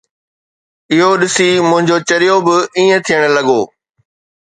اهو ڏسي منهنجو چريو به ائين ٿيڻ لڳو.